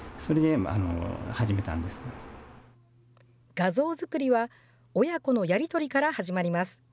画像作りは親子のやり取りから始まります。